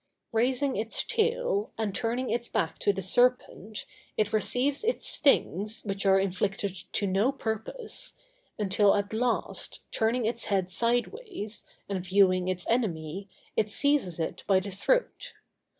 Raising its tail, and turning its back to the serpent, it receives its stings, which are inflicted to no purpose, until at last, turning its head sideways, and viewing its enemy, it seizes it by the throat.